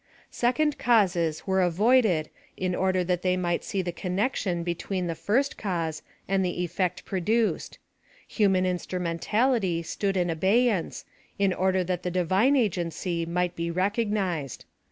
Second causes were avoided in or der that they might see the connection between the First Cause, and the effect produced — human instrumentality stood in abey ance, in order that the Divine agency might be recognised.